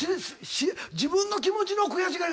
自分の気持ちの悔しがり方やもんな。